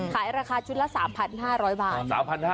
ขายราคาชุดละ๓๕๐๐บาท